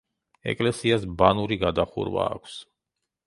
ეკლესიას ბანური გადახურვა აქვს.